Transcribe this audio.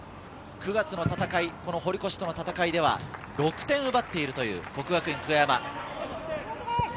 ９月の戦い、堀越との戦いでは６点を奪っているという國學院久我山。